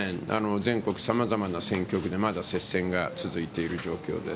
全国さまざまな選挙区でまだ接戦が続いている状況です。